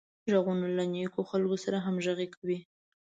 غوږونه له نېکو خلکو سره همغږي کوي